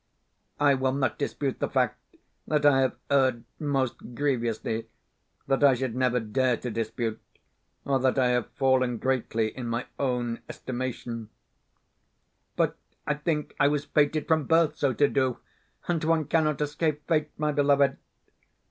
I will not dispute the fact that I have erred most grievously that I should never dare to dispute, or that I have fallen greatly in my own estimation; but, I think I was fated from birth so to do and one cannot escape fate, my beloved.